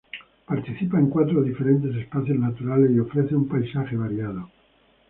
Participa en cuatro diferentes espacios naturales y ofrece un paisaje variado.